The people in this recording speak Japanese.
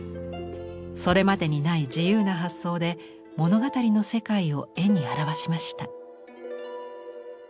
それまでにない自由な発想で物語の世界を絵に表しました。